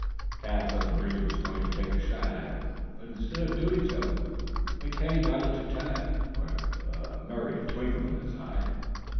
Tad thought the Ranger was going to take a shot at it, but instead of doing so, McKay nodded to Tad, with a merry twinkle in his eye.